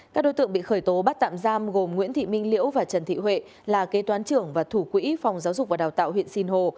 các đối tượng bị khởi tố bắt tạm giam gồm nguyễn thị minh liễu và trần thị huệ là kế toán trưởng và thủ quỹ phòng giáo dục và đào tạo huyện sinh hồ